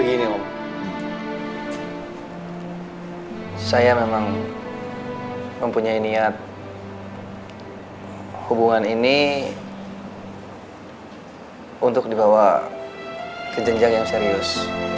gini om saya memang mempunyai niat hubungan ini untuk dibawa ke jenjang yang serius